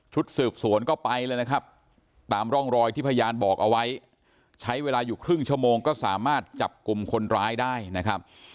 สืบสวนก็ไปเลยนะครับตามร่องรอยที่พยานบอกเอาไว้ใช้เวลาอยู่ครึ่งชั่วโมงก็สามารถจับกลุ่มคนร้ายได้นะครับ